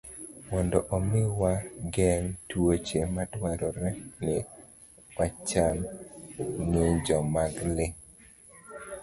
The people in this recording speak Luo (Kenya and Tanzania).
Mondo omi wageng' tuoche, dwarore ni wacham ng'injo mag le.